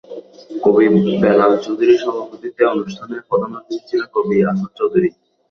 কবি বেলাল চৌধুরীর সভাপতিত্বে অনুষ্ঠানে প্রধান অতিথি ছিলেন কবি আসাদ চৌধুরী।